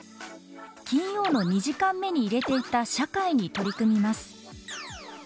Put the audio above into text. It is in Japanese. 金曜日の２時間目に入れていた社会に取り組みます。